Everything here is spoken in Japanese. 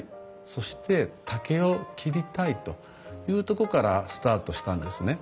そして竹を切りたいというとこからスタートしたんですね。